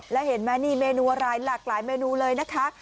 แล้วเห็นไหมนี่เมนูอะไรหลากหลายเมนูเลยนะคะ